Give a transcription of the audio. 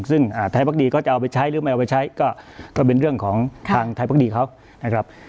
ซึ่งไทยพักดีก็จะเอาไปใช้หรือไม่เอาไปใช้ก็เป็นเรื่องของทางไทยพักดีเขานะครับ